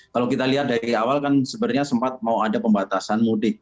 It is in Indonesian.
kalau kita lihat dari awal kan sebenarnya sempat mau ada pembatasan mudik